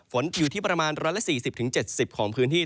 ฝนอยู่ที่ประมาณ๑๔๐๗๐ของพื้นที่